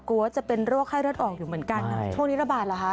กลัวจะเป็นโรคให้เราตอบอยู่เหมือนกันนะโทคร้ีระบาดเหรอครับ